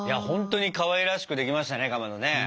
本当にかわいらしくできましたねかまどね。